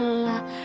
lah lah lah